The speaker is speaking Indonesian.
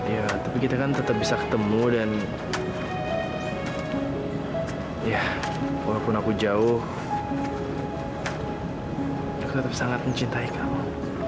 ya tapi kita kan tetap bisa ketemu dan ya walaupun aku jauh aku tetap sangat mencintai kamu